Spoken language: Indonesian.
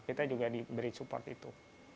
kita juga diberi support itu